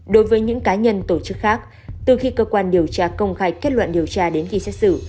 đối với những cá nhân tổ chức khác từ khi cơ quan điều tra công khai kết luận điều tra đến khi xét xử